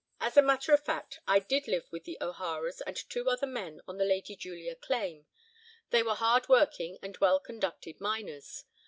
As a matter of fact, I did live with the O'Haras and two other men on the 'Lady Julia' claim. They were hardworking, and well conducted miners.